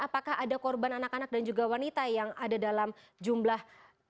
apakah ada korban anak anak dan juga wanita yang ada dalam jumlah